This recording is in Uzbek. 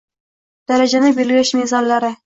Darajani belgilash me’zonlari